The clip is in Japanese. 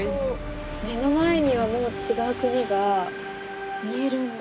目の前にはもう違う国が見えるんだ。